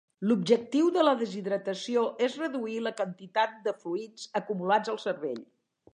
L'objectiu de la deshidratació és reduir la quantitat de fluids acumulats al cervell.